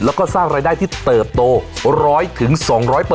แล้วก็สร้างรายได้ที่เติบโต๑๐๐๒๐๐